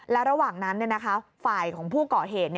และระหว่างนั้นฝ่ายของผู้ก่อเหตุ